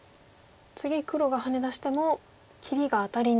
次黒がハネ出しても切りがアタリに。